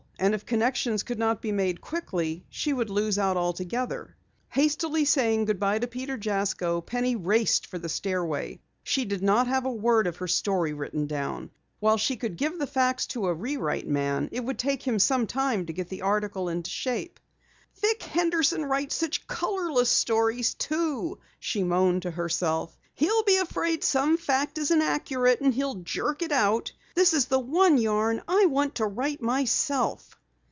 And if connections could not be quickly made, she would lose out altogether. Hastily saying goodbye to Peter Jasko, Penny raced for the stairway. She did not have a word of her story written down. While she could give the facts to a rewrite man it would take him some time to get the article into shape. "Vic Henderson writes such colorless stories, too," she moaned to herself. "He'll be afraid some fact isn't accurate and he'll jerk it out. This is the one yarn I want to write myself!"